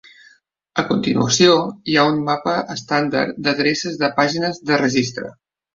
A continuació, hi ha un mapa estàndard d'adreces de pàgines de registre.